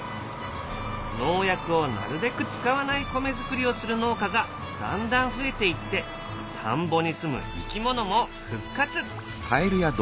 農薬をなるべく使わない米作りをする農家がだんだん増えていって田んぼにすむ生き物も復活！